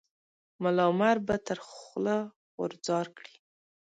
ملا عمر به تر خوله غورځار کړي.